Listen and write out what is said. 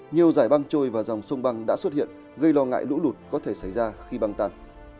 nhiều giải băng trôi và dòng sông băng đã xuất hiện gây lo ngại lũ lụt có thể xảy ra khi băng tan